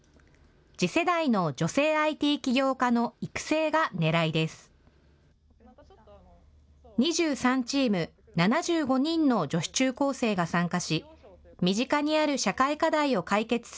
次世代の女性ＩＴ起業家の育成がねらいです。